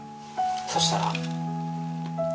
そしたら？